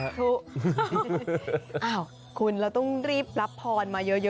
อ้าวคุณเราต้องรีบรับพรมาเยอะ